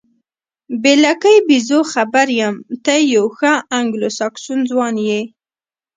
بې لکۍ بیزو، خبر یم، ته یو ښه انګلوساکسون ځوان یې.